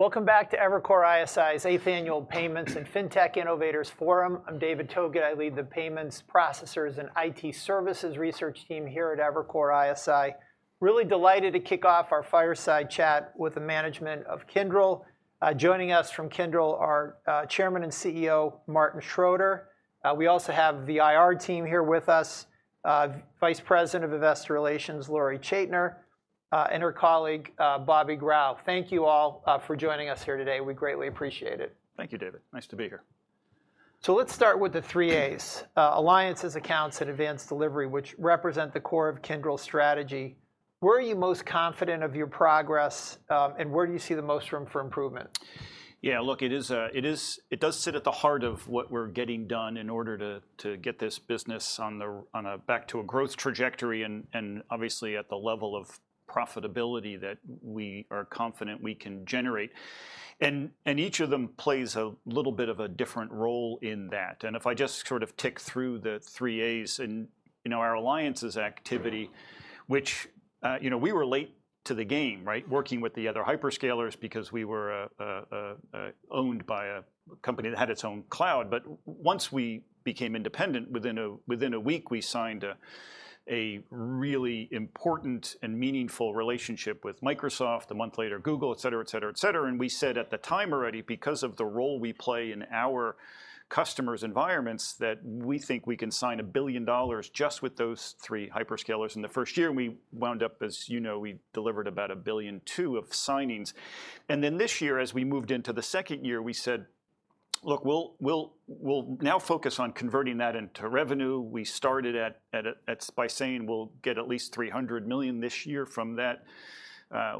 Welcome back to Evercore ISI's Eighth Annual Payments and FinTech Innovators Forum. I'm David Togut. I lead the Payments, Processors, and IT Services Research Team here at Evercore ISI. Really delighted to kick off our fireside chat with the management of Kyndryl. Joining us from Kyndryl are Chairman and CEO Martin Schroeter. We also have the IR team here with us, Vice President of Investor Relations Lori Chaitman, and her colleague Bobby Grau. Thank you all for joining us here today. We greatly appreciate it. Thank you, David. Nice to be here. Let's start with the three A's. Alliances, Accounts, and Advanced Delivery, which represent the core of Kyndryl's strategy. Where are you most confident of your progress, and where do you see the most room for improvement? Yeah, look, it does sit at the heart of what we're getting done in order to get this business back to a growth trajectory and obviously at the level of profitability that we are confident we can generate. Each of them plays a little bit of a different role in that. If I just sort of tick through the three A's in our alliances activity, we were late to the game working with the other hyperscalers because we were owned by a company that had its own cloud. But once we became independent, within a week we signed a really important and meaningful relationship with Microsoft, a month later Google, et cetera, et cetera, et cetera. We said at the time already, because of the role we play in our customers' environments, that we think we can sign $1 billion just with those three hyperscalers in the first year. We wound up, as you know, we delivered about $1.2 billion of signings. Then this year, as we moved into the second year, we said, look, we'll now focus on converting that into revenue. We started by saying we'll get at least $300 million this year from that.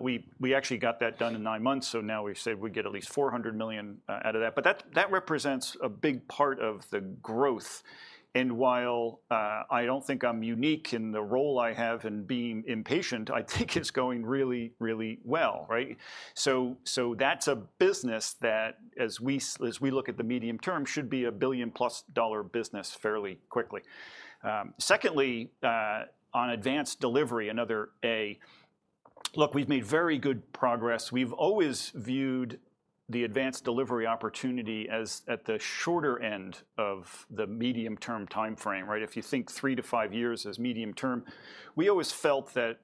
We actually got that done in nine months. Now we said we'd get at least $400 million out of that. But that represents a big part of the growth. While I don't think I'm unique in the role I have and being impatient, I think it's going really, really well. So that's a business that, as we look at the medium-term, should be a $1 billion-plus business fairly quickly. Secondly, on Advanced Delivery, another A, look, we've made very good progress. We've always viewed the Advanced Delivery opportunity as at the shorter end of the medium-term time frame. If you think three-to-five years as medium-term, we always felt that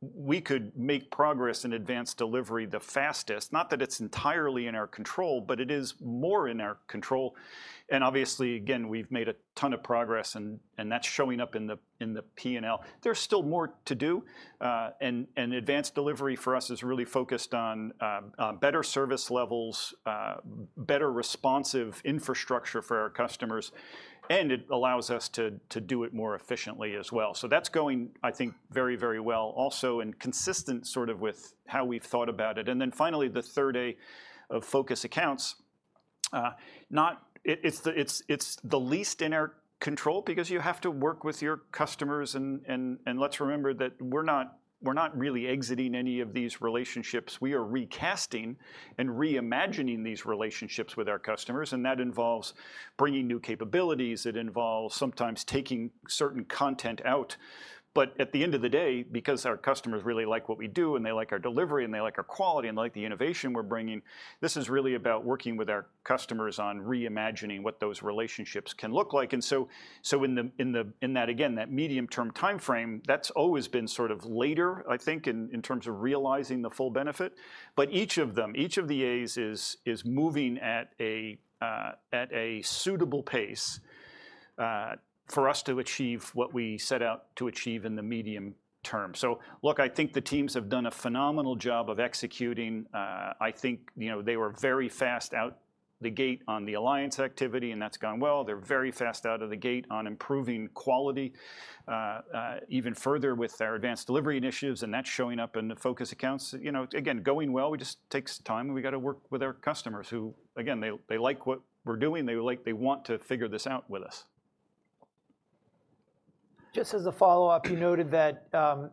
we could make progress in Advanced Delivery the fastest. Not that it's entirely in our control, but it is more in our control. And obviously, again, we've made a ton of progress, and that's showing up in the P&L. There's still more to do. And Advanced Delivery for us is really focused on better service levels, better responsive infrastructure for our customers. And it allows us to do it more efficiently as well. So that's going, I think, very, very well also and consistent sort of with how we've thought about it. Then finally, the third A of Focus Accounts, it's the least in our control because you have to work with your customers. Let's remember that we're not really exiting any of these relationships. We are recasting and reimagining these relationships with our customers. That involves bringing new capabilities. It involves sometimes taking certain content out. But at the end of the day, because our customers really like what we do, and they like our delivery, and they like our quality, and they like the innovation we're bringing, this is really about working with our customers on reimagining what those relationships can look like. So in that, again, that medium-term time frame, that's always been sort of later, I think, in terms of realizing the full benefit. But each of them, each of the A's, is moving at a suitable pace for us to achieve what we set out to achieve in the medium term. So look, I think the teams have done a phenomenal job of executing. I think they were very fast out the gate on the Alliances activity, and that's gone well. They're very fast out of the gate on improving quality even further with our Advanced Delivery initiatives. And that's showing up in the Focus Accounts. Again, going well. It just takes time. We've got to work with our customers who, again, they like what we're doing. They want to figure this out with us. Just as a follow-up, you noted that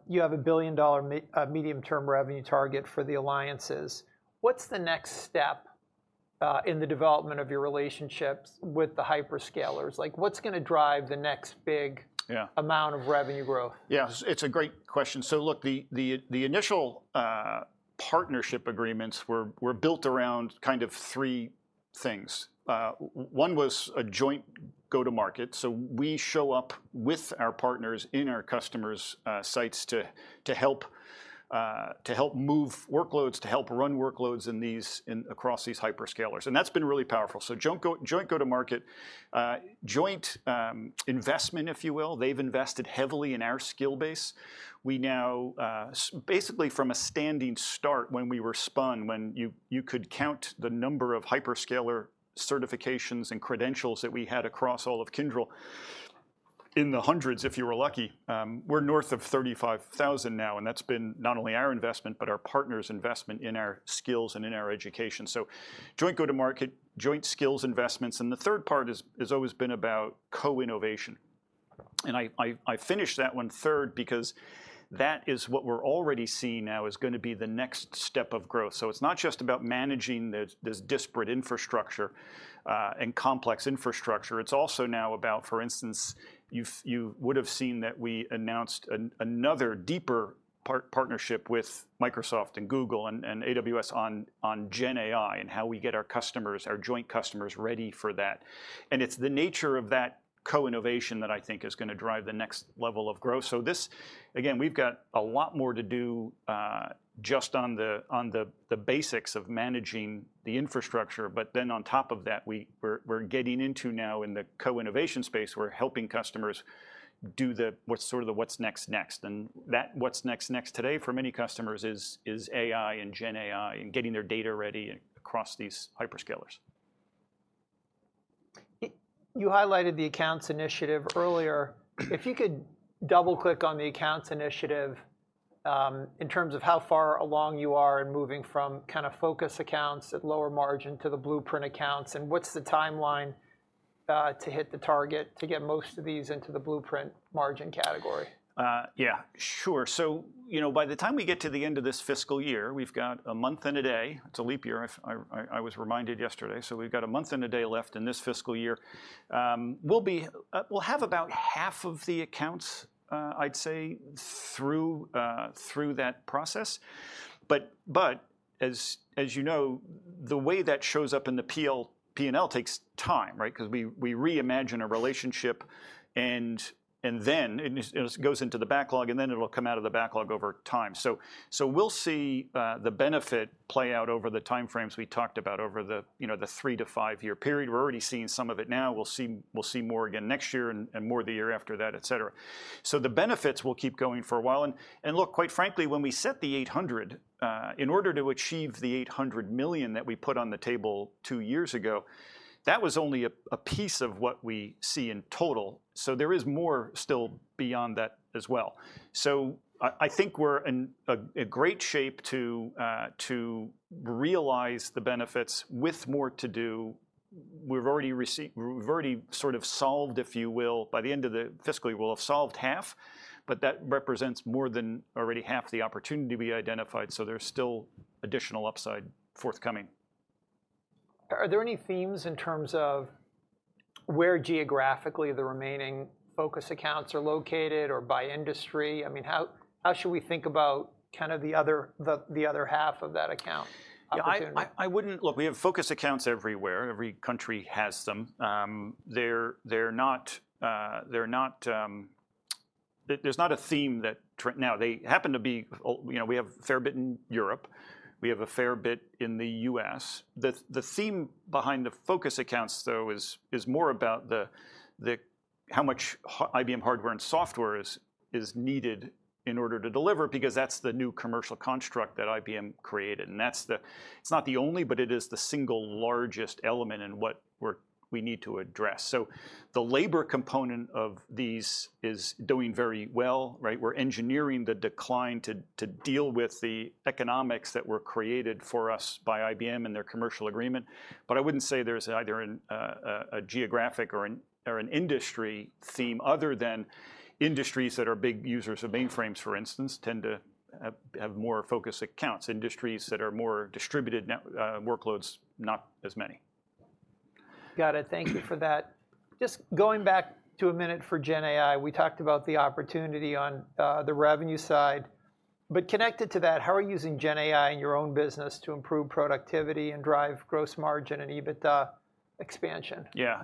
you have a $1 billion medium-term revenue target for the alliances. What's the next step in the development of your relationships with the hyperscalers? What's going to drive the next big amount of revenue growth? Yeah, it's a great question. So look, the initial partnership agreements were built around kind of three things. One was a joint go-to-market. So we show up with our partners in our customers' sites to help move workloads, to help run workloads across these hyperscalers. And that's been really powerful. So joint go-to-market, joint investment, if you will. They've invested heavily in our skill base. We now, basically from a standing start when we were spun, when you could count the number of hyperscaler certifications and credentials that we had across all of Kyndryl, in the hundreds if you were lucky, we're north of 35,000 now. And that's been not only our investment, but our partners' investment in our skills and in our education. So joint go-to-market, joint skills investments. And the third part has always been about co-innovation. And I finished that one third because that is what we're already seeing now is going to be the next step of growth. So it's not just about managing this disparate infrastructure and complex infrastructure. It's also now about, for instance, you would have seen that we announced another deeper partnership with Microsoft and Google and AWS on Gen AI and how we get our customers, our joint customers, ready for that. And it's the nature of that co-innovation that I think is going to drive the next level of growth. So again, we've got a lot more to do just on the basics of managing the infrastructure. But then on top of that, we're getting into now in the co-innovation space where helping customers do sort of the what's next, next. And that's what's next today for many customers is AI and Gen AI and getting their data ready across these hyperscalers. You highlighted the accounts initiative earlier. If you could double-click on the accounts initiative in terms of how far along you are in moving from kind of Focus Accounts at lower margin to the Blueprint Accounts, and what's the timeline to hit the target to get most of these into the Blueprint margin category? Yeah, sure. So by the time we get to the end of this fiscal year, we've got a month and a day. It's a leap year, I was reminded yesterday. So we've got a month and a day left in this fiscal year. We'll have about half of the accounts, I'd say, through that process. But as you know, the way that shows up in the P&L takes time because we reimagine a relationship. And then it goes into the backlog, and then it'll come out of the backlog over time. So we'll see the benefit play out over the time frames we talked about over the three to 5-year period. We're already seeing some of it now. We'll see more again next year and more the year after that, et cetera. So the benefits will keep going for a while. And look, quite frankly, when we set the $800, in order to achieve the $800 million that we put on the table two years ago, that was only a piece of what we see in total. So there is more still beyond that as well. So I think we're in great shape to realize the benefits with more to do. We've already sort of solved, if you will, by the end of the fiscal year, we'll have solved half. But that represents more than already half the opportunity we identified. So there's still additional upside forthcoming. Are there any themes in terms of where geographically the remaining Focus Accounts are located or by industry? I mean, how should we think about kind of the other half of that account opportunity? Yeah, look, we have Focus Accounts everywhere. Every country has them. There's not a theme that now, they happen to be we have a fair bit in Europe. We have a fair bit in the U.S. The theme behind the Focus Accounts, though, is more about how much IBM hardware and software is needed in order to deliver because that's the new commercial construct that IBM created. And it's not the only, but it is the single largest element in what we need to address. So the labor component of these is doing very well. We're engineering the decline to deal with the economics that were created for us by IBM and their commercial agreement. But I wouldn't say there's either a geographic or an industry theme other than industries that are big users of mainframes, for instance, tend to have more Focus Accounts, industries that are more distributed workloads, not as many. Got it. Thank you for that. Just going back to a minute for Gen AI. We talked about the opportunity on the revenue side. But connected to that, how are you using Gen AI in your own business to improve productivity and drive gross margin and EBITDA expansion? Yeah,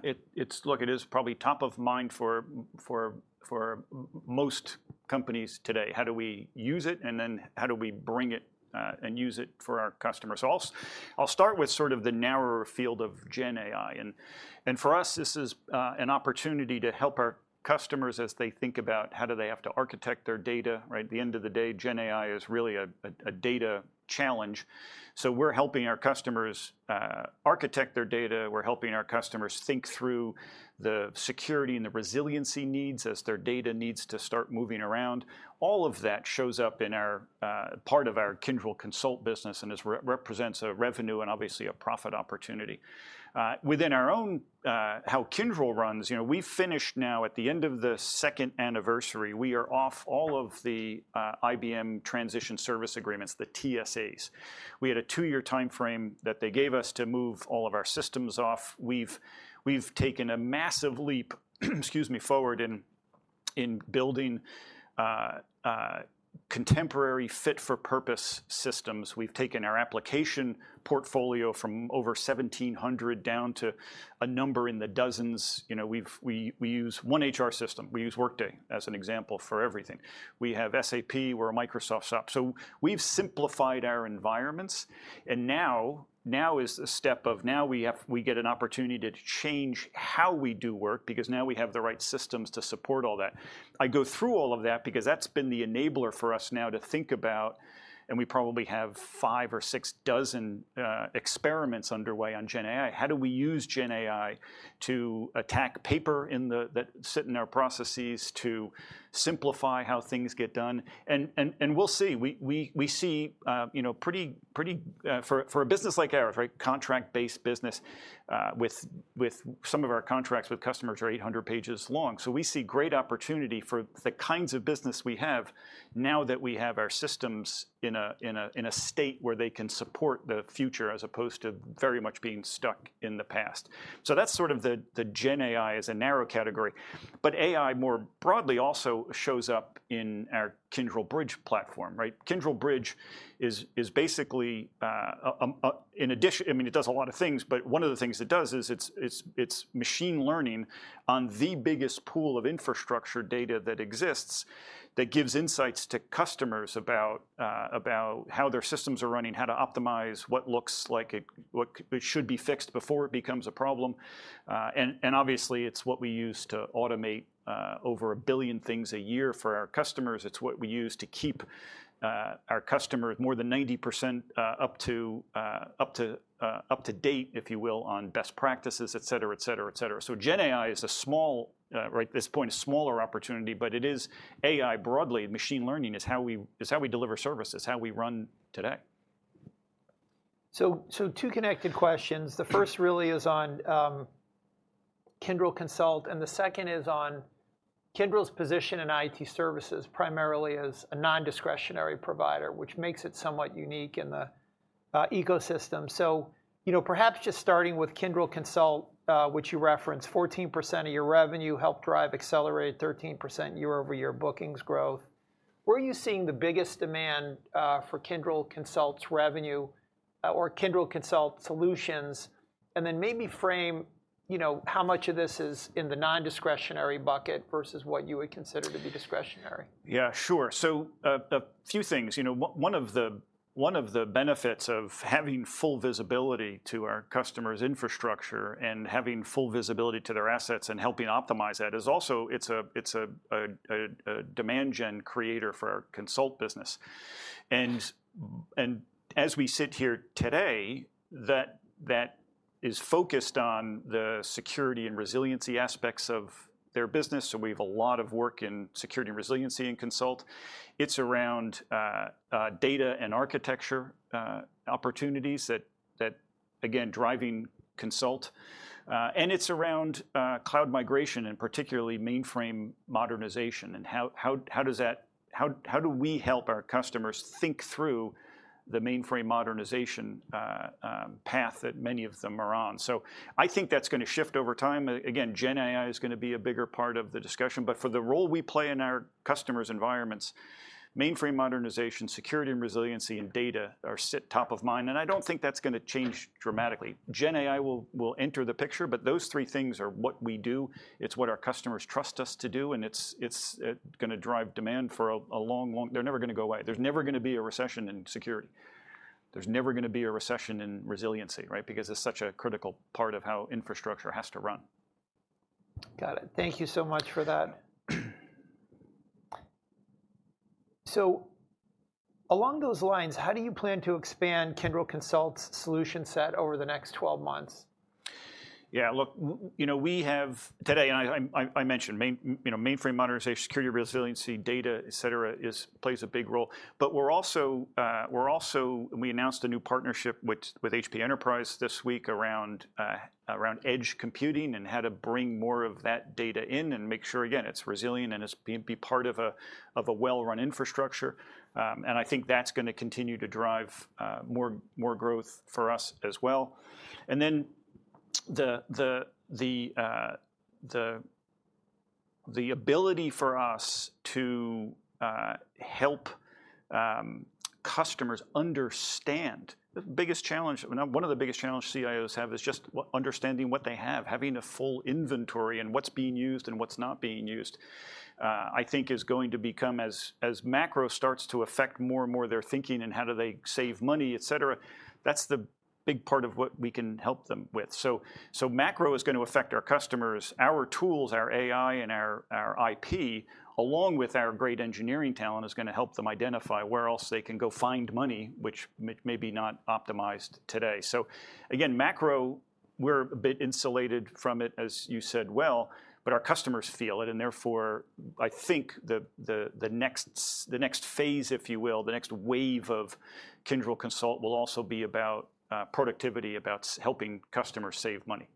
look, it is probably top of mind for most companies today. How do we use it? And then how do we bring it and use it for our customers? So I'll start with sort of the narrower field of Gen AI. And for us, this is an opportunity to help our customers as they think about how do they have to architect their data. At the end of the day, Gen AI is really a data challenge. So we're helping our customers architect their data. We're helping our customers think through the security and the resiliency needs as their data needs to start moving around. All of that shows up in part of our Kyndryl Consult business and represents a revenue and obviously a profit opportunity. Within our own how Kyndryl runs, we finished now at the end of the second anniversary. We are off all of the IBM Transition Service Agreements, the TSAs. We had a 2-year time frame that they gave us to move all of our systems off. We've taken a massive leap forward in building contemporary fit-for-purpose systems. We've taken our application portfolio from over 1,700 down to a number in the dozens. We use one HR system. We use Workday as an example for everything. We have SAP, where Microsoft's up. So we've simplified our environments. And now is the step of now we get an opportunity to change how we do work because now we have the right systems to support all that. I go through all of that because that's been the enabler for us now to think about and we probably have five or six dozen experiments underway on Gen AI. How do we use Gen AI to attack paper that's sitting in our processes, to simplify how things get done? And we'll see. We see pretty for a business like ours, contract-based business, some of our contracts with customers are 800 pages long. So we see great opportunity for the kinds of business we have now that we have our systems in a state where they can support the future as opposed to very much being stuck in the past. So that's sort of the Gen AI as a narrow category. But AI more broadly also shows up in our Kyndryl Bridge platform. Kyndryl Bridge is basically in addition, I mean, it does a lot of things. But one of the things it does is it's machine learning on the biggest pool of infrastructure data that exists that gives insights to customers about how their systems are running, how to optimize what looks like it should be fixed before it becomes a problem. And obviously, it's what we use to automate over 1 billion things a year for our customers. It's what we use to keep our customers more than 90% up to date, if you will, on best practices, et cetera, et cetera, et cetera. So Gen AI is a small, at this point, a smaller opportunity. But it is AI broadly. Machine learning is how we deliver services, how we run today. Two connected questions. The first really is on Kyndryl Consult. And the second is on Kyndryl's position in IT services primarily as a nondiscretionary provider, which makes it somewhat unique in the ecosystem. Perhaps just starting with Kyndryl Consult, which you referenced, 14% of your revenue helped drive, accelerate 13% year-over-year bookings growth. Where are you seeing the biggest demand for Kyndryl Consult's revenue or Kyndryl Consult solutions? And then maybe frame how much of this is in the nondiscretionary bucket versus what you would consider to be discretionary. Yeah, sure. So a few things. One of the benefits of having full visibility to our customers' infrastructure and having full visibility to their assets and helping optimize that is also it's a demand gen creator for our consult business. And as we sit here today, that is focused on the security and resiliency aspects of their business. So we have a lot of work in security and resiliency in consult. It's around data and architecture opportunities that, again, drive consult. And it's around cloud migration and particularly mainframe modernization. And how do we help our customers think through the mainframe modernization path that many of them are on? So I think that's going to shift over time. Again, Gen AI is going to be a bigger part of the discussion. But for the role we play in our customers' environments, Mainframe Modernization, security and resiliency, and data sit top of mind. And I don't think that's going to change dramatically. Gen AI will enter the picture. But those three things are what we do. It's what our customers trust us to do. And it's going to drive demand for a long, long they're never going to go away. There's never going to be a recession in security. There's never going to be a recession in resiliency because it's such a critical part of how infrastructure has to run. Got it. Thank you so much for that. So along those lines, how do you plan to expand Kyndryl Consult's solution set over the next 12 months? Yeah, look, today, and I mentioned mainframe modernization, security, resiliency, data, et cetera, plays a big role. But we also announced a new partnership with HP Enterprise this week around edge computing and how to bring more of that data in and make sure, again, it's resilient and it's going to be part of a well-run infrastructure. I think that's going to continue to drive more growth for us as well. Then the ability for us to help customers understand the biggest challenge, one of the biggest challenges CIOs have, is just understanding what they have, having a full inventory and what's being used and what's not being used. I think is going to become as macro starts to affect more and more their thinking and how do they save money, et cetera, that's the big part of what we can help them with. So macro is going to affect our customers. Our tools, our AI, and our IP, along with our great engineering talent, is going to help them identify where else they can go find money, which may be not optimized today. So again, macro, we're a bit insulated from it, as you said well. But our customers feel it. And therefore, I think the next phase, if you will, the next wave of Kyndryl Consult will also be about productivity, about helping customers save money.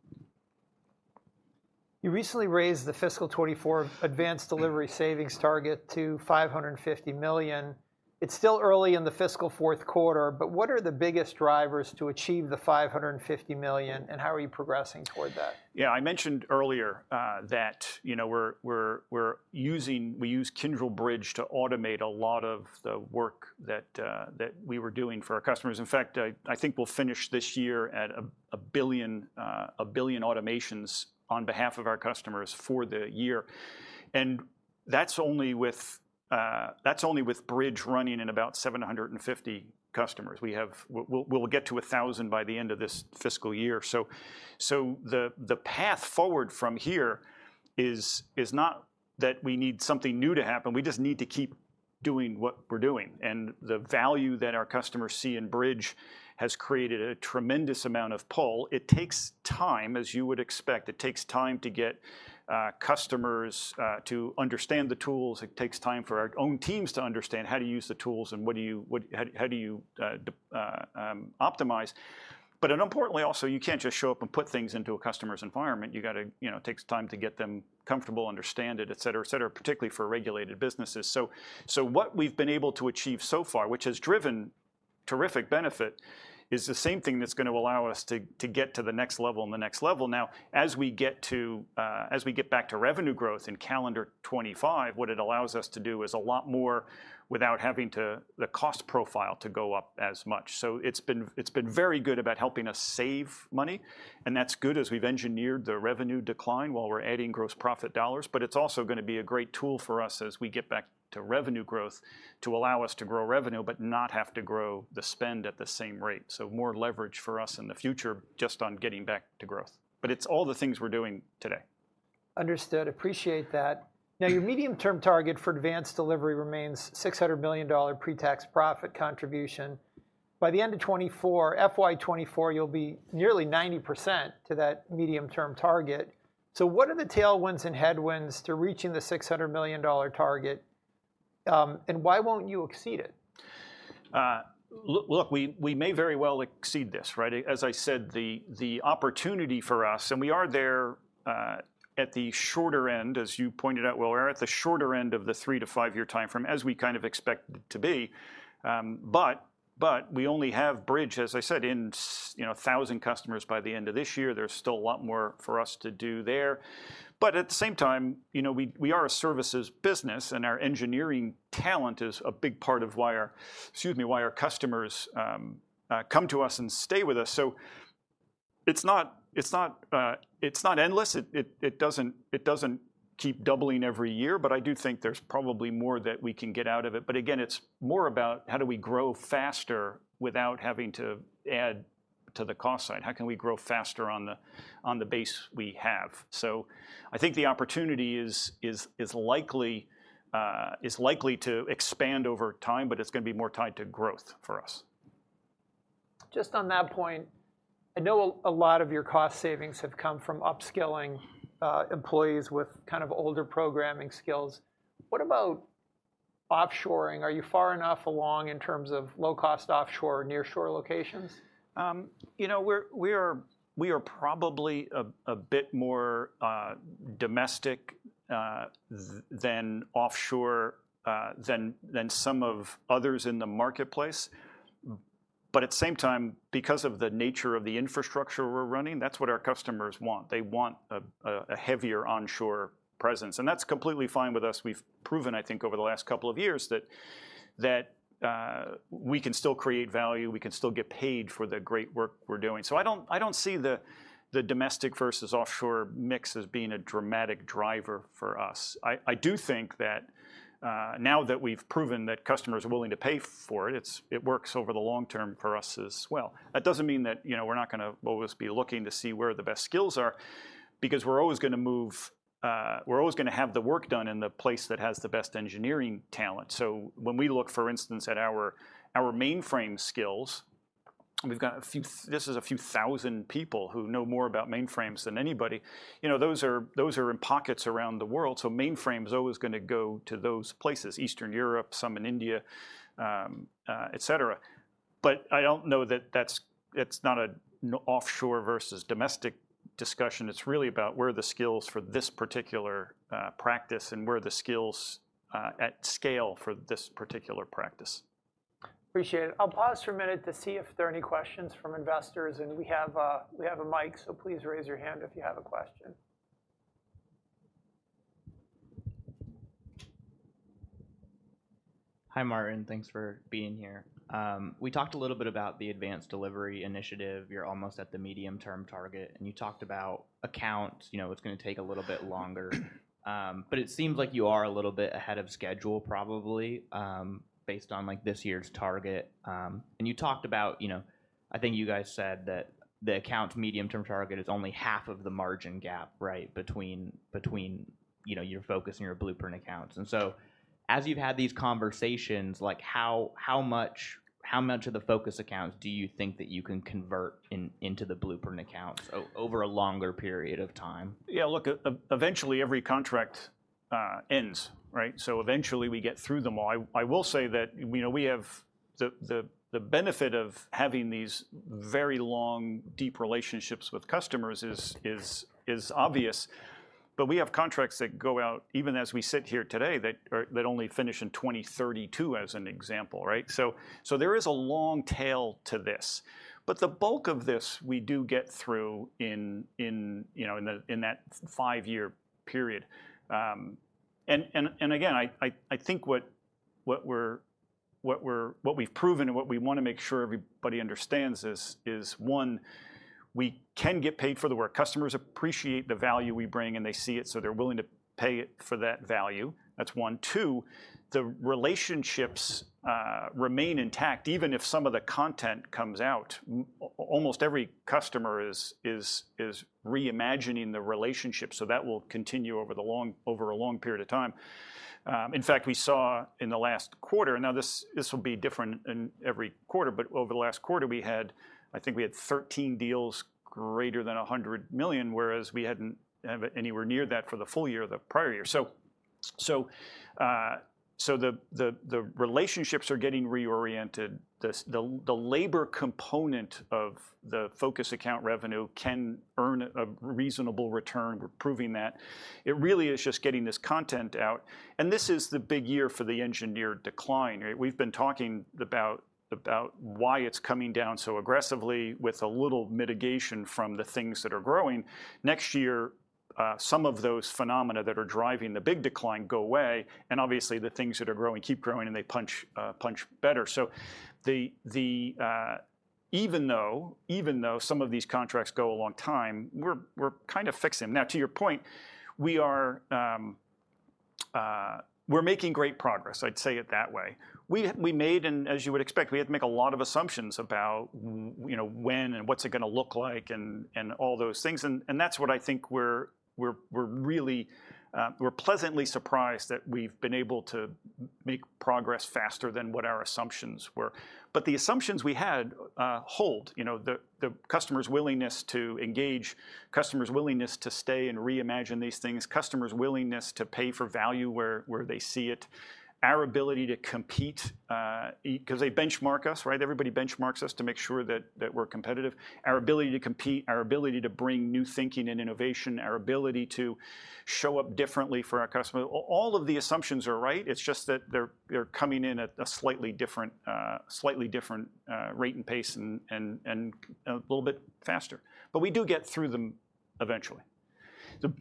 You recently raised the FY 2024 Advanced Delivery savings target to $550 million. It's still early in the fiscal fourth quarter. What are the biggest drivers to achieve the $550 million? And how are you progressing toward that? Yeah, I mentioned earlier that we use Kyndryl Bridge to automate a lot of the work that we were doing for our customers. In fact, I think we'll finish this year at 1 billion automations on behalf of our customers for the year. And that's only with Bridge running in about 750 customers. We'll get to 1,000 by the end of this fiscal year. So the path forward from here is not that we need something new to happen. We just need to keep doing what we're doing. And the value that our customers see in Bridge has created a tremendous amount of pull. It takes time, as you would expect. It takes time to get customers to understand the tools. It takes time for our own teams to understand how to use the tools and how do you optimize. But importantly also, you can't just show up and put things into a customer's environment. It takes time to get them comfortable, understand it, et cetera, et cetera, particularly for regulated businesses. So what we've been able to achieve so far, which has driven terrific benefit, is the same thing that's going to allow us to get to the next level and the next level. Now, as we get back to revenue growth in calendar 2025, what it allows us to do is a lot more without having to the cost profile to go up as much. So it's been very good about helping us save money. And that's good as we've engineered the revenue decline while we're adding gross profit dollars. But it's also going to be a great tool for us as we get back to revenue growth to allow us to grow revenue but not have to grow the spend at the same rate. So more leverage for us in the future just on getting back to growth. But it's all the things we're doing today. Understood. Appreciate that. Now, your medium-term target for Advanced Delivery remains $600 million pre-tax profit contribution. By the end of 2024, FY 2024, you'll be nearly 90% to that medium-term target. So what are the tailwinds and headwinds to reaching the $600 million target? And why won't you exceed it? Look, we may very well exceed this. As I said, the opportunity for us and we are there at the shorter end, as you pointed out well, we're at the shorter end of the three to 5-year time frame as we kind of expect it to be. But we only have Bridge, as I said, in 1,000 customers by the end of this year. There's still a lot more for us to do there. But at the same time, we are a services business. And our engineering talent is a big part of why our customers come to us and stay with us. So it's not endless. It doesn't keep doubling every year. But I do think there's probably more that we can get out of it. But again, it's more about how do we grow faster without having to add to the cost side? How can we grow faster on the base we have? So I think the opportunity is likely to expand over time. But it's going to be more tied to growth for us. Just on that point, I know a lot of your cost savings have come from upskilling employees with kind of older programming skills. What about offshoring? Are you far enough along in terms of low-cost offshore or nearshore locations? We are probably a bit more domestic than offshore than some of others in the marketplace. But at the same time, because of the nature of the infrastructure we're running, that's what our customers want. They want a heavier onshore presence. And that's completely fine with us. We've proven, I think, over the last couple of years that we can still create value. We can still get paid for the great work we're doing. So I don't see the domestic versus offshore mix as being a dramatic driver for us. I do think that now that we've proven that customers are willing to pay for it, it works over the long term for us as well. That doesn't mean that we're not going to always be looking to see where the best skills are because we're always going to have the work done in the place that has the best engineering talent. So when we look, for instance, at our mainframe skills we've got a few thousand people who know more about mainframes than anybody. Those are in pockets around the world. So mainframe is always going to go to those places, Eastern Europe, some in India, et cetera. But I don't know that that's not an offshore versus domestic discussion. It's really about where are the skills for this particular practice and where are the skills at scale for this particular practice. Appreciate it. I'll pause for a minute to see if there are any questions from investors. We have a mic. Please raise your hand if you have a question. Hi, Martin. Thanks for being here. We talked a little bit about the Advanced Delivery initiative. You're almost at the medium-term target. You talked about accounts. It's going to take a little bit longer. But it seems like you are a little bit ahead of schedule, probably, based on this year's target. You talked about I think you guys said that the accounts medium-term target is only half of the margin gap between your Focus and your Blueprint Accounts. So as you've had these conversations, how much of the Focus Accounts do you think that you can convert into the Blueprint Accounts over a longer period of time? Yeah, look, eventually, every contract ends. So eventually, we get through them all. I will say that we have the benefit of having these very long, deep relationships with customers is obvious. But we have contracts that go out even as we sit here today that only finish in 2032, as an example. So there is a long tail to this. But the bulk of this, we do get through in that five-year period. And again, I think what we've proven and what we want to make sure everybody understands is, one, we can get paid for the work. Customers appreciate the value we bring. And they see it. So they're willing to pay for that value. That's one. Two, the relationships remain intact even if some of the content comes out. Almost every customer is reimagining the relationship. So that will continue over a long period of time. In fact, we saw in the last quarter now, this will be different in every quarter. But over the last quarter, we had I think we had 13 deals greater than $100 million, whereas we hadn't anywhere near that for the full year of the prior year. So the relationships are getting reoriented. The labor component of the focus account revenue can earn a reasonable return. We're proving that. It really is just getting this content out. And this is the big year for the engineered decline. We've been talking about why it's coming down so aggressively with a little mitigation from the things that are growing. Next year, some of those phenomena that are driving the big decline go away. And obviously, the things that are growing keep growing. And they punch better. So even though some of these contracts go a long time, we're kind of fixing them. Now, to your point, we're making great progress, I'd say it that way. We made, as you would expect, we had to make a lot of assumptions about when and what's it going to look like and all those things. And that's what I think we're really pleasantly surprised that we've been able to make progress faster than what our assumptions were. But the assumptions we had hold, the customer's willingness to engage, customer's willingness to stay and reimagine these things, customer's willingness to pay for value where they see it, our ability to compete because they benchmark us. Everybody benchmarks us to make sure that we're competitive. Our ability to compete, our ability to bring new thinking and innovation, our ability to show up differently for our customers. All of the assumptions are right. It's just that they're coming in at a slightly different rate and pace and a little bit faster. But we do get through them eventually.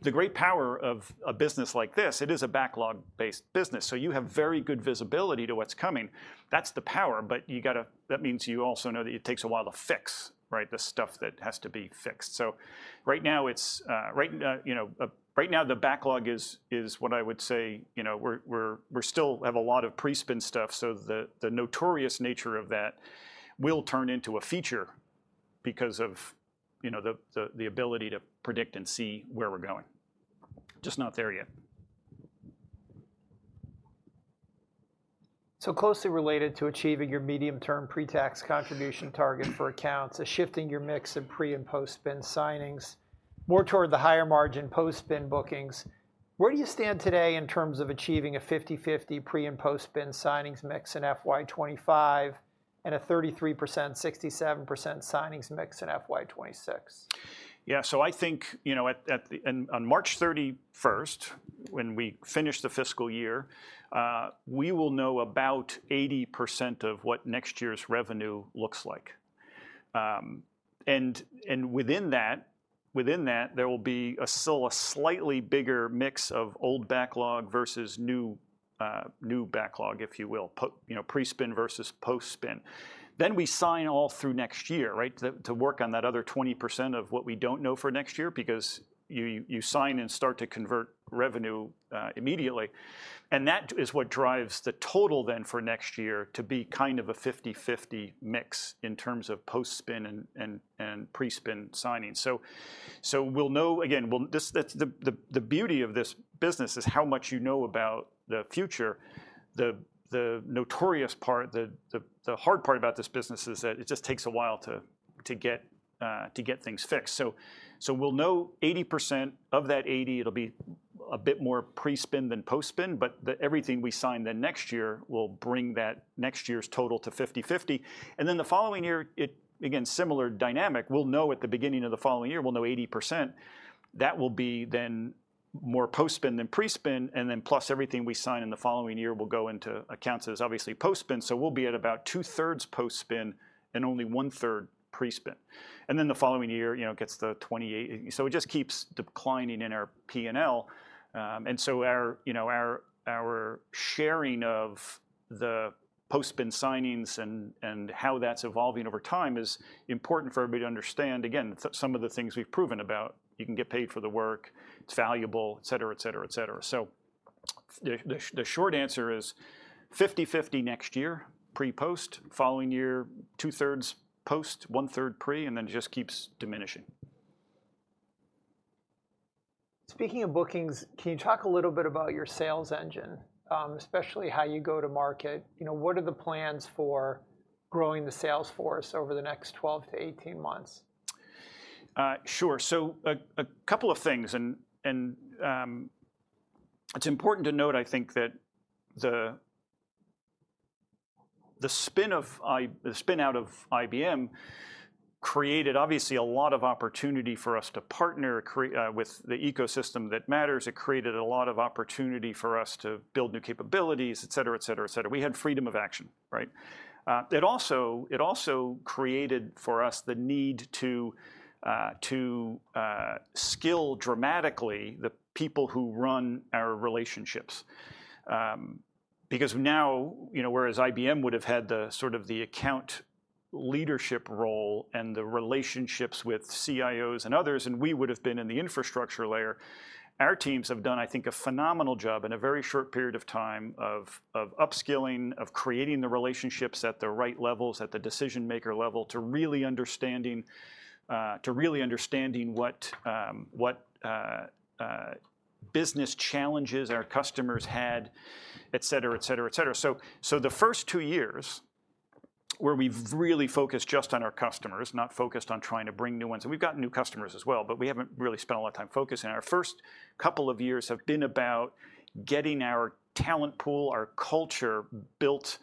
The great power of a business like this, it is a backlog-based business. So you have very good visibility to what's coming. That's the power. But that means you also know that it takes a while to fix the stuff that has to be fixed. So right now, the backlog is what I would say we still have a lot of pre-spin stuff. So the notorious nature of that will turn into a feature because of the ability to predict and see where we're going. Just not there yet. So closely related to achieving your medium-term pre-tax contribution target for accounts, a shift in your mix of pre and post-spin signings, more toward the higher margin post-spin bookings, where do you stand today in terms of achieving a 50/50 pre and post-spin signings mix in FY 2025 and a 33%-67% signings mix in FY 2026? Yeah, so I think on March 31st, when we finish the fiscal year, we will know about 80% of what next year's revenue looks like. And within that, there will be still a slightly bigger mix of old backlog versus new backlog, if you will, pre-spin versus post-spin. Then we sign all through next year to work on that other 20% of what we don't know for next year because you sign and start to convert revenue immediately. And that is what drives the total then for next year to be kind of a 50/50 mix in terms of post-spin and pre-spin signings. So we'll know again, the beauty of this business is how much you know about the future. The notorious part, the hard part about this business is that it just takes a while to get things fixed. So we'll know 80% of that 80. It'll be a bit more pre-spin than post-spin. But everything we sign then next year will bring that next year's total to 50/50. And then the following year, again, similar dynamic. We'll know at the beginning of the following year, we'll know 80%. That will be then more post-spin than pre-spin. And then plus everything we sign in the following year will go into accounts that is obviously post-spin. So we'll be at about 2/3 post-spin and only 1/3 pre-spin. And then the following year gets the 28. So it just keeps declining in our P&L. And so our sharing of the post-spin signings and how that's evolving over time is important for everybody to understand. Again, some of the things we've proven about, you can get paid for the work. It's valuable, et cetera, et cetera, et cetera. So the short answer is 50/50 next year, pre/post, following year, 2/3 post, 1/3 pre. And then it just keeps diminishing. Speaking of bookings, can you talk a little bit about your sales engine, especially how you go to market? What are the plans for growing the sales force over the next 12-18 months? Sure. So a couple of things. And it's important to note, I think, that the spin out of IBM created obviously a lot of opportunity for us to partner with the ecosystem that matters. It created a lot of opportunity for us to build new capabilities, et cetera, et cetera, et cetera. We had freedom of action. It also created for us the need to skill dramatically the people who run our relationships because now, whereas IBM would have had sort of the account leadership role and the relationships with CIOs and others, and we would have been in the infrastructure layer, our teams have done, I think, a phenomenal job in a very short period of time of upskilling, of creating the relationships at the right levels, at the decision-maker level, to really understanding what business challenges our customers had, et cetera, et cetera, et cetera. So the first two years where we've really focused just on our customers, not focused on trying to bring new ones and we've gotten new customers as well. We haven't really spent a lot of time focusing. Our first couple of years have been about getting our talent pool, our culture built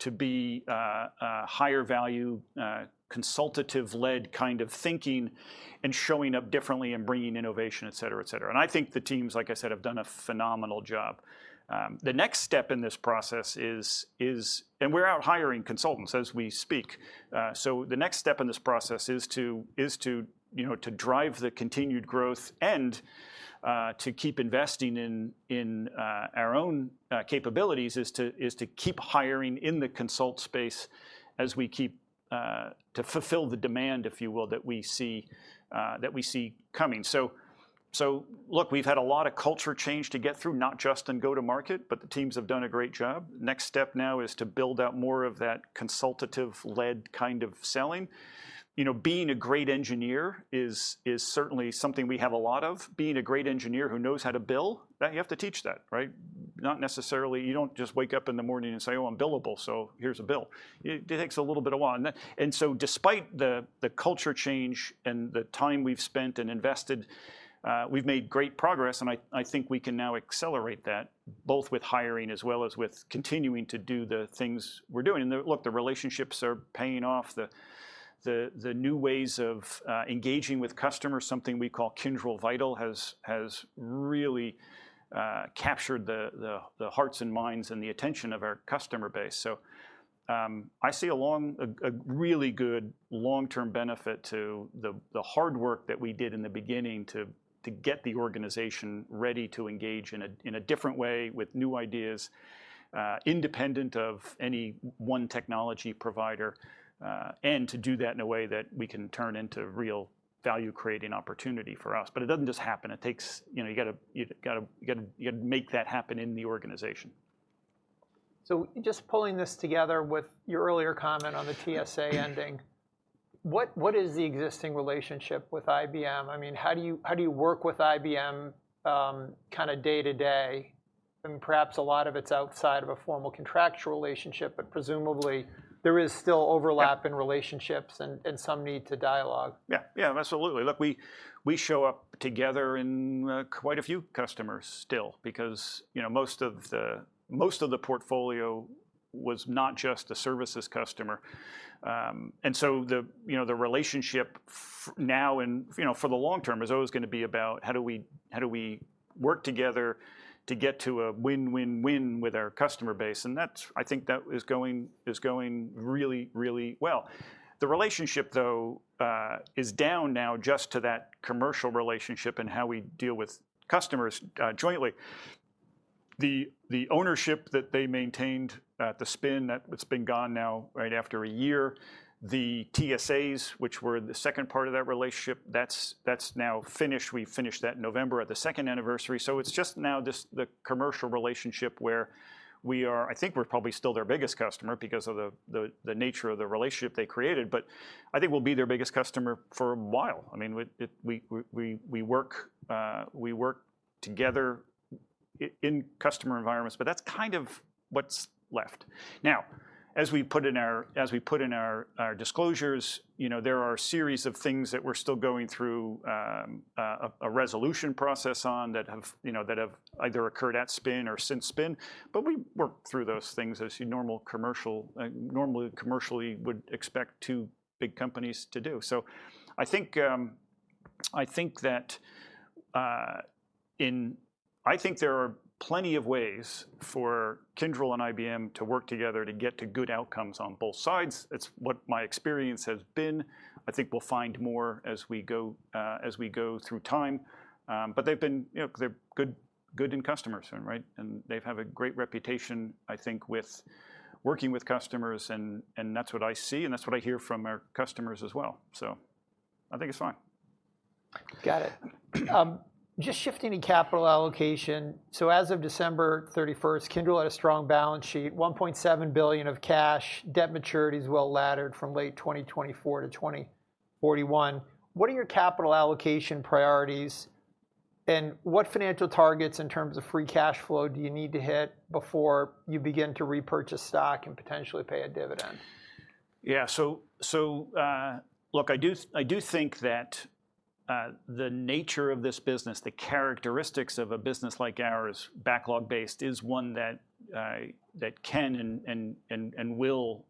to be a higher value consultative-led kind of thinking and showing up differently and bringing innovation, et cetera, et cetera. I think the teams, like I said, have done a phenomenal job. The next step in this process is, and we're out hiring consultants as we speak. The next step in this process is to drive the continued growth. To keep investing in our own capabilities is to keep hiring in the consult space as we keep to fulfill the demand, if you will, that we see coming. So look, we've had a lot of culture change to get through, not just in go-to-market. But the teams have done a great job. Next step now is to build out more of that consultative-led kind of selling. Being a great engineer is certainly something we have a lot of. Being a great engineer who knows how to bill, you have to teach that. You don't just wake up in the morning and say, oh, I'm billable. So here's a bill. It takes a little while. And so despite the culture change and the time we've spent and invested, we've made great progress. And I think we can now accelerate that both with hiring as well as with continuing to do the things we're doing. And look, the relationships are paying off. The new ways of engaging with customers, something we call Kyndryl Vital, has really captured the hearts and minds and the attention of our customer base. So I see a really good long-term benefit to the hard work that we did in the beginning to get the organization ready to engage in a different way with new ideas, independent of any one technology provider, and to do that in a way that we can turn into real value-creating opportunity for us. But it doesn't just happen. You've got to make that happen in the organization. So just pulling this together with your earlier comment on the TSA ending, what is the existing relationship with IBM? I mean, how do you work with IBM kind of day to day? I mean, perhaps a lot of it's outside of a formal contractual relationship. But presumably, there is still overlap in relationships and some need to dialogue. Yeah, yeah, absolutely. Look, we show up together in quite a few customers still because most of the portfolio was not just a services customer. And so the relationship now for the long term is always going to be about, how do we work together to get to a win-win-win with our customer base? And I think that is going really, really well. The relationship, though, is down now just to that commercial relationship and how we deal with customers jointly. The ownership that they maintained at the spin, that's been gone now right after a year, the TSAs, which were the second part of that relationship, that's now finished. We finished that in November at the second anniversary. So it's just now the commercial relationship where we are I think we're probably still their biggest customer because of the nature of the relationship they created. But I think we'll be their biggest customer for a while. I mean, we work together in customer environments. But that's kind of what's left. Now, as we put in our disclosures, there are a series of things that we're still going through a resolution process on that have either occurred at spin or since spin. But we work through those things as you normally commercially would expect two big companies to do. So I think that in I think there are plenty of ways for Kyndryl and IBM to work together to get to good outcomes on both sides. It's what my experience has been. I think we'll find more as we go through time. But they're good in customers soon. And they have a great reputation, I think, with working with customers. And that's what I see. And that's what I hear from our customers as well. I think it's fine. Got it. Just shifting to capital allocation. As of December 31st, Kyndryl had a strong balance sheet, $1.7 billion of cash. Debt maturity is well laddered from late 2024 to 2041. What are your capital allocation priorities? And what financial targets in terms of free cash flow do you need to hit before you begin to repurchase stock and potentially pay a dividend? Yeah, so look, I do think that the nature of this business, the characteristics of a business like ours, backlog-based, is one that can and will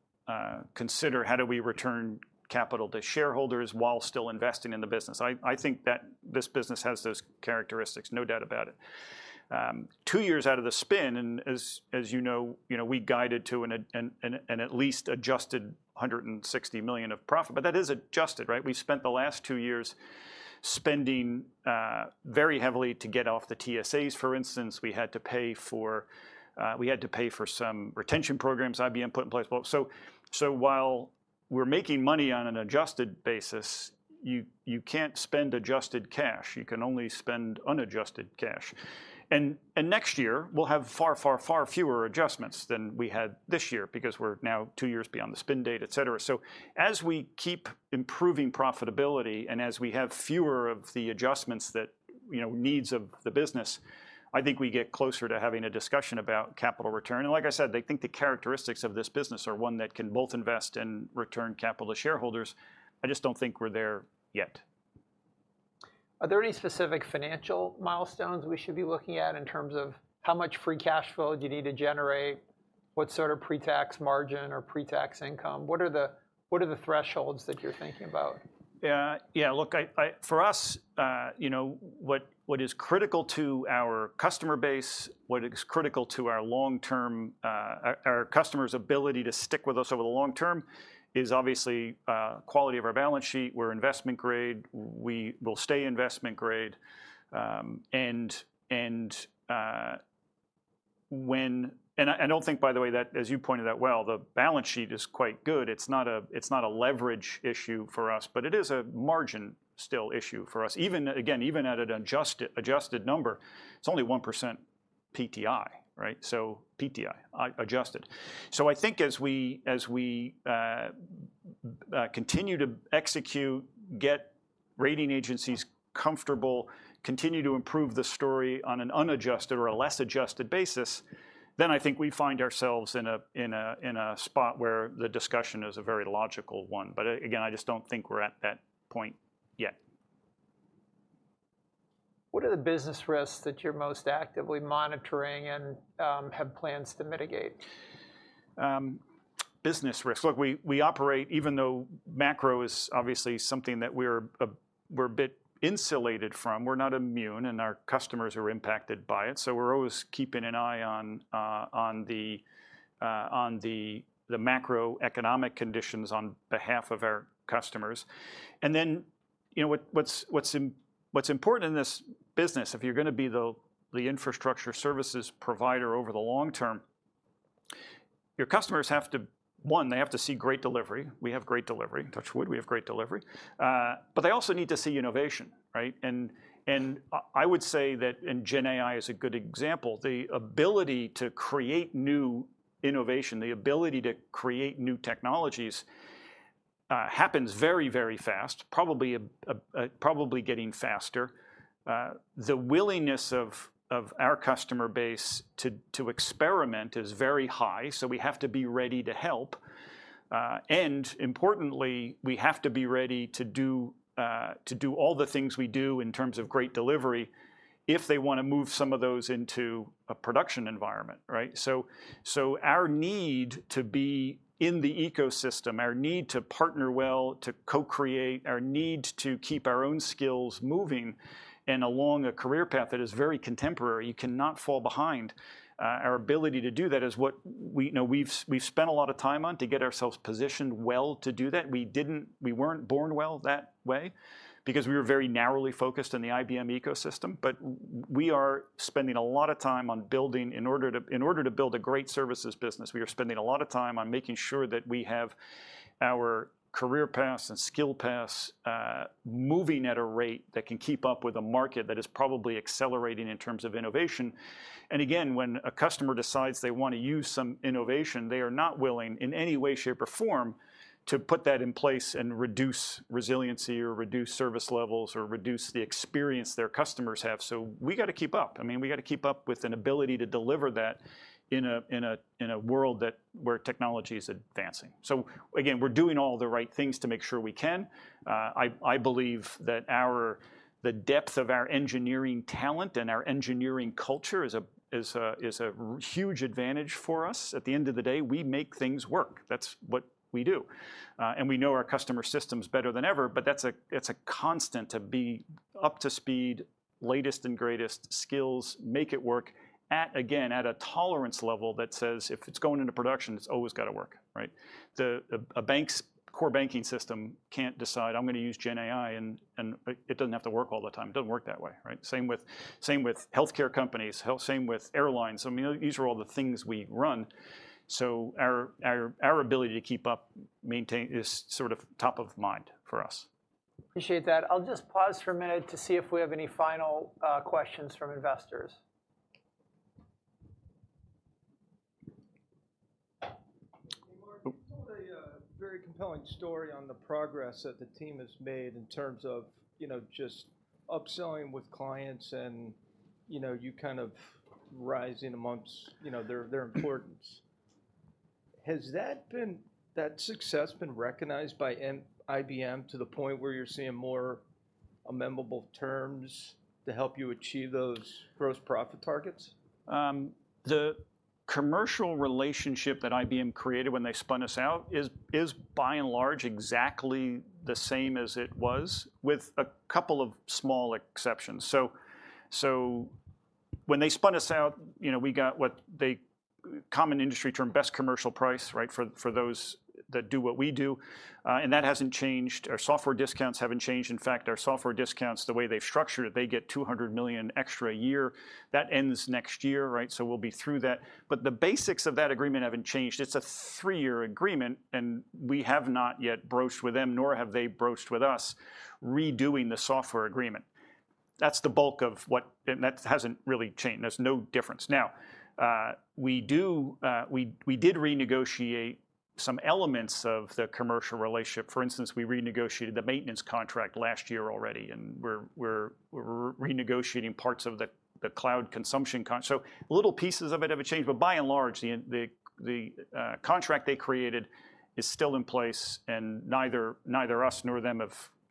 consider, how do we return capital to shareholders while still investing in the business? I think that this business has those characteristics, no doubt about it. Two years out of the spin, and as you know, we guided to an at least adjusted $160 million of profit. But that is adjusted. We spent the last two years spending very heavily to get off the TSAs. For instance, we had to pay for some retention programs IBM put in place. So while we're making money on an adjusted basis, you can't spend adjusted cash. You can only spend unadjusted cash. Next year, we'll have far, far, far fewer adjustments than we had this year because we're now two years beyond the spin date, et cetera. As we keep improving profitability and as we have fewer of the adjustments that needs of the business, I think we get closer to having a discussion about capital return. Like I said, they think the characteristics of this business are one that can both invest and return capital to shareholders. I just don't think we're there yet. Are there any specific financial milestones we should be looking at in terms of how much free cash flow do you need to generate, what sort of pre-tax margin or pre-tax income? What are the thresholds that you're thinking about? Yeah, yeah, look, for us, what is critical to our customer base, what is critical to our long-term our customer's ability to stick with us over the long term is obviously quality of our balance sheet. We're investment grade. We will stay investment grade. And when and I don't think, by the way, that as you pointed out well, the balance sheet is quite good. It's not a leverage issue for us. But it is a margin still issue for us. Again, even at an adjusted number, it's only 1% PTI, so PTI adjusted. So I think as we continue to execute, get rating agencies comfortable, continue to improve the story on an unadjusted or a less adjusted basis, then I think we find ourselves in a spot where the discussion is a very logical one. But again, I just don't think we're at that point yet. What are the business risks that you're most actively monitoring and have plans to mitigate? Business risks. Look, we operate even though macro is obviously something that we're a bit insulated from. We're not immune. And our customers are impacted by it. So we're always keeping an eye on the macroeconomic conditions on behalf of our customers. And then what's important in this business, if you're going to be the infrastructure services provider over the long term, your customers have to one, they have to see great delivery. We have great delivery. Touch wood, we have great delivery. But they also need to see innovation. And I would say that, and Gen AI is a good example, the ability to create new innovation, the ability to create new technologies happens very, very fast, probably getting faster. The willingness of our customer base to experiment is very high. So we have to be ready to help. And importantly, we have to be ready to do all the things we do in terms of great delivery if they want to move some of those into a production environment. So our need to be in the ecosystem, our need to partner well, to co-create, our need to keep our own skills moving and along a career path that is very contemporary, you cannot fall behind. Our ability to do that is what we've spent a lot of time on to get ourselves positioned well to do that. We weren't born well that way because we were very narrowly focused in the IBM ecosystem. But we are spending a lot of time on building. In order to build a great services business, we are spending a lot of time on making sure that we have our career paths and skill paths moving at a rate that can keep up with a market that is probably accelerating in terms of innovation. And again, when a customer decides they want to use some innovation, they are not willing in any way, shape, or form to put that in place and reduce resiliency or reduce service levels or reduce the experience their customers have. So we've got to keep up. I mean, we've got to keep up with an ability to deliver that in a world where technology is advancing. So again, we're doing all the right things to make sure we can. I believe that the depth of our engineering talent and our engineering culture is a huge advantage for us. At the end of the day, we make things work. That's what we do. And we know our customer systems better than ever. But that's a constant to be up to speed, latest and greatest, skills, make it work, again, at a tolerance level that says, if it's going into production, it's always got to work. A bank's core banking system can't decide, I'm going to use GenAI. And it doesn't have to work all the time. It doesn't work that way. Same with health care companies, same with airlines. I mean, these are all the things we run. So our ability to keep up is sort of top of mind for us. Appreciate that. I'll just pause for a minute to see if we have any final questions from investors. Told a very compelling story on the progress that the team has made in terms of just upselling with clients and you kind of rising amongst their importance. Has that success been recognized by IBM to the point where you're seeing more amenable terms to help you achieve those gross profit targets? The commercial relationship that IBM created when they spun us out is, by and large, exactly the same as it was with a couple of small exceptions. So when they spun us out, we got what the common industry term best commercial price for those that do what we do. And that hasn't changed. Our software discounts haven't changed. In fact, our software discounts, the way they've structured it, they get $200 million extra a year. That ends next year. So we'll be through that. But the basics of that agreement haven't changed. It's a three-year agreement. And we have not yet broached with them, nor have they broached with us, redoing the software agreement. That's the bulk of what and that hasn't really changed. There's no difference. Now, we did renegotiate some elements of the commercial relationship. For instance, we renegotiated the maintenance contract last year already. And we're renegotiating parts of the cloud consumption contract. So little pieces of it haven't changed. But by and large, the contract they created is still in place. And neither us nor them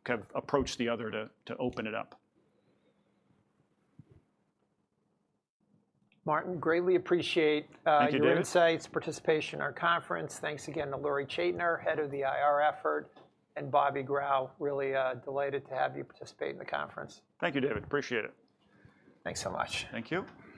have approached the other to open it up. Martin, greatly appreciate your insights, participation in our conference. Thanks again to Lori Chaitman, head of the IR effort, and Bobby Grau. Really delighted to have you participate in the conference. Thank you, David. Appreciate it. Thanks so much. Thank you.